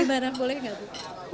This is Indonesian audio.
gimana boleh nggak bu